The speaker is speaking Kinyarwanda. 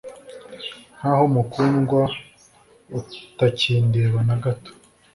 Nkako mukundwa utakindeba nagato